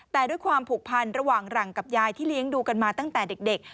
แต่ด้วยความผูกพันระหว่างหลังกับยายที่เลี้ยงดูกันมาตั้งแต่เด็ก